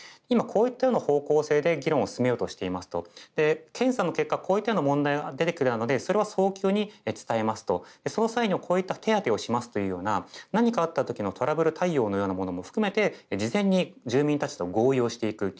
今こういったような方向性で議論を進めようとしていますと検査の結果こういったような問題が出てきたのでそれは早急に伝えますとその際にはこういった手当てをしますというような何かあった時のトラブル対応のようなものも含めて事前に住民たちと合意をしていく。